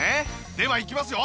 ではいきますよ！